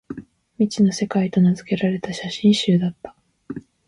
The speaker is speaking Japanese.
「未知の世界」と名づけられた写真集だった